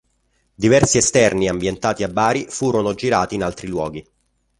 Diversi esterni ambientati a Bari furono girati in altri luoghi.